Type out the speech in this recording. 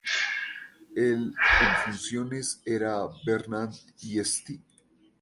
El en funciones era Bernard St.